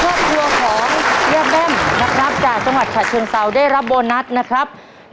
ข้อคลัวของแย่แบ้มนะครับจากสหรัฐชะชนเซาได้รับโบนัสนะครับ